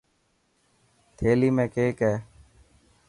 ٿيلي ۾ ڪيڪ هي.